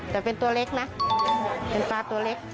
แต่เป็นตัวเล็กนะเป็นปลาตัวเล็ก